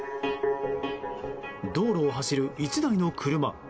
道路を走る１台の車。